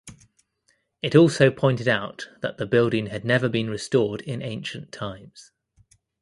It also pointed out that the building had never been restored in ancient times.